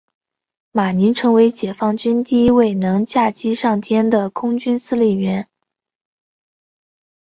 马宁成为解放军第一位能驾机上天的空军司令员。